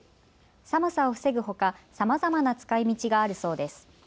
寒さを防ぐほか、さまざまな使いみちがあるそうです。